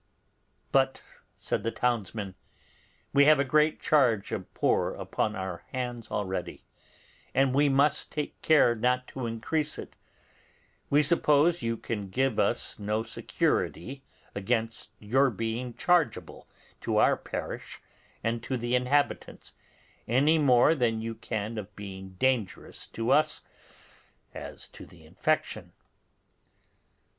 'But,' said the townsmen, 'we have a great charge of poor upon our hands already, and we must take care not to increase it; we suppose you can give us no security against your being chargeable to our parish and to the inhabitants, any more than you can of being dangerous to us as to the infection.